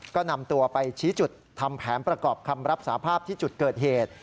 ก็นำตัวไปชี้จุดทำแผนประกอบคำรับสาภาพที่จุดเกิดเหตุ